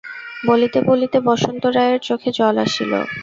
বলিতে বলিতে বসন্ত রায়ের চোখে জল আসিল।